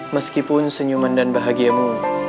meskipun senyuman dan bahagiamu